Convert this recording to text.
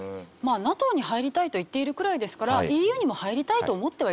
ＮＡＴＯに入りたいと言っているくらいですからＥＵにも入りたいと思ってはいるわけですよね。